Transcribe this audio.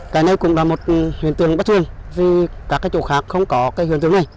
cái này cũng là một hiện tượng bất thường vì các chỗ khác không có cái hiện tượng này